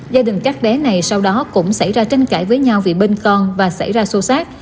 gia đình các đế này sau đó cũng xảy ra tranh cãi với nhau vì bên con và xảy ra sâu sát